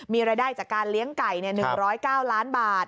มีรายได้จากการเลี้ยงไก่๑๐๙ล้านบาท